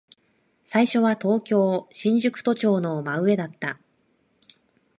最初は東京、新宿都庁の真上だった。